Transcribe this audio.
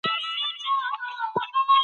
زوی یې وویل چې راباندې ناوخته کیږي.